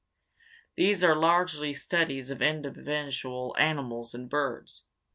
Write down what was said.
These are largely studies of individual animals and birds.